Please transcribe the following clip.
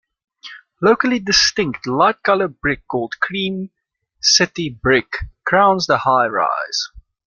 Locally distinct light colored brick called Cream City brick crowns the high-rise.